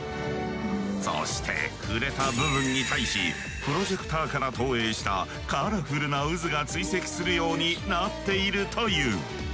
そして触れた部分に対しプロジェクタ−から投影したカラフルな渦が追跡するようになっているという。